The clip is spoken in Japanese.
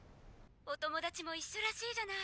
お友達も一緒らしいじゃない！